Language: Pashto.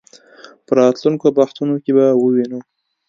په راتلونکو بحثونو کې به ووینو.